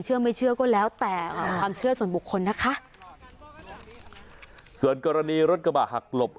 ไม่เชื่อก็แล้วแต่ความเชื่อส่วนบุคคลนะคะส่วนกรณีรถกระบะหักหลบ